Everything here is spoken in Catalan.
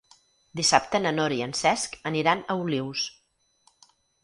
Dissabte na Nora i en Cesc aniran a Olius.